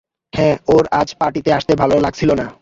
হ্যাঁ, ওর আজ পার্টিতে আসতে ভালো লাগছিল না?